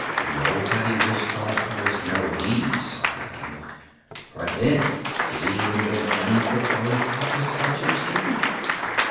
Nobody wished to let others know he saw nothing, for then he would have been unfit for his office or too stupid.